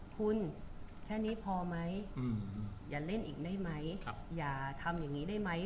คุณแค่นี้พอไหมอย่าเล่นอีกได้ไหมอย่าทำอย่างนี้ได้ไหม